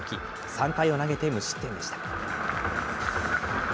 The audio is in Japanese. ３回を投げて無失点でした。